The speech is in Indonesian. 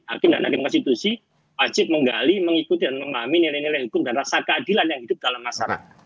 hakim dan hakim konstitusi wajib menggali mengikuti dan memahami nilai nilai hukum dan rasa keadilan yang hidup dalam masyarakat